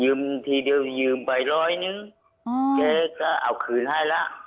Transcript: ทีเดียวยืมไปร้อยหนึ่งเจ๊ก็เอาคืนให้ละ